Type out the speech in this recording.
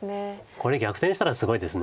これ逆転したらすごいです。